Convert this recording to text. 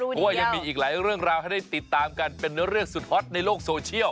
เพราะว่ายังมีอีกหลายเรื่องราวให้ได้ติดตามกันเป็นเรื่องสุดฮอตในโลกโซเชียล